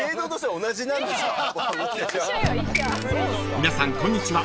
［皆さんこんにちは